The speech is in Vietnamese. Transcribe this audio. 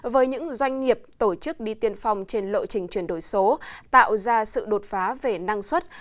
với những doanh nghiệp tổ chức đi tiên phong trên lộ trình chuyển đổi số tạo ra sự đột phá về năng suất